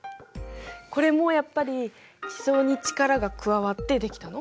これもやっぱり地層に力が加わってできたの？